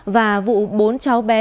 và vụ bốn cháu bé